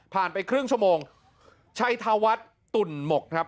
ไปครึ่งชั่วโมงชัยธวัฒน์ตุ่นหมกครับ